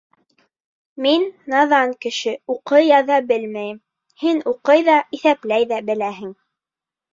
Мин наҙан кеше, уҡый-яҙа белмәйем, һин уҡый ҙа, иҫәпләй ҙә беләһең.